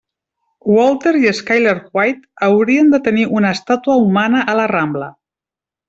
Walter i Skyler White haurien de tenir una estàtua humana a la Rambla.